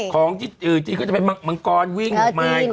ของจิตเออจิตก็จะเป็นมังกรวิ่งออกมาอย่างนี้